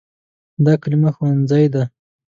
دا کلمه “ښوونځی” ده.